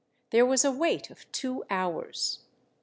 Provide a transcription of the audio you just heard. There was a wait of two hours.